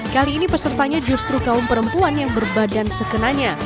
kali ini pesertanya justru kaum perempuan yang berbadan sekenanya